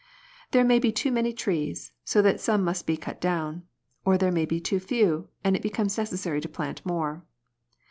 There may be too many trees, so that some must be cut down ; or there may be too few, and it becomes necessary to plant more.